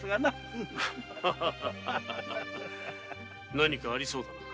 何かありそうだな？